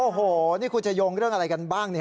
โอ้โหนี่คุณจะโยงเรื่องอะไรกันบ้าง